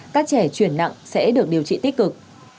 các trẻ chuyển nặng sẽ được điều trị tích cực